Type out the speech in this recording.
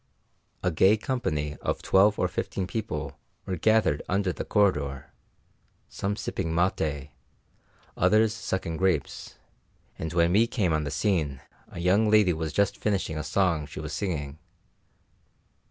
A gay company of twelve or fifteen people were gathered under the corridor, some sipping maté, others sucking grapes; and when we came on the scene a young lady was just finishing a song she was singing.